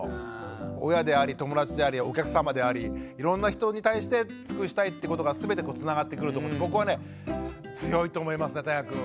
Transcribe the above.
親であり友達でありお客様でありいろんな人に対して尽くしたいってことが全てつながってくると思うので僕はね強いと思いますねたいがくんは。